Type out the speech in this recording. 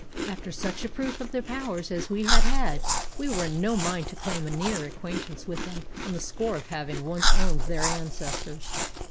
"After such a proof of their powers as we had had, we were in no mind to claim a nearer acquaintance with them on the score of having once owned their ancestors.